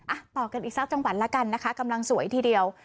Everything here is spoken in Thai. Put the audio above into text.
ต่อกันอีกสักจังหวัดแล้วกันนะคะกำลังสวยทีเดียว